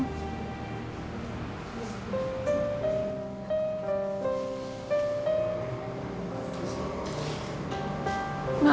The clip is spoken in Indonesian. maafin maik ya bang